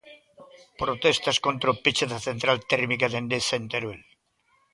Protestas contra o peche da central térmica de Endesa en Teruel.